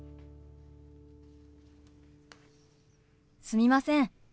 すみません。